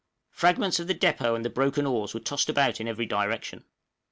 Fragments of the depôt and the broken oars were tossed about in every direction.